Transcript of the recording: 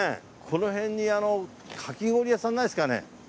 この辺にかき氷屋さんないですかね？